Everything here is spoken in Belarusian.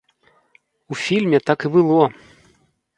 У фільме так і было!